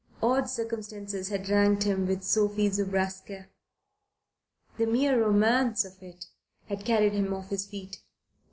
Odd circumstances had ranked him with Sophie Zobraska. The mere romance of it had carried him off his feet.